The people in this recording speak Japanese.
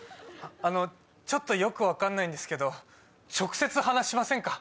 あのちょっとよく分かんないんですけど直接話しませんか？